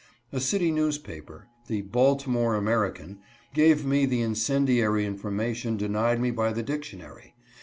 A city news paper — the " Baltimore American "— gave me the in cendiary information denied me by the dictionary.